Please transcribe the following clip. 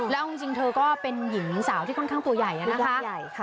แล้วจริงเธอก็เป็นหญิงสาวที่ค่อนข้างตัวใหญ่นะคะ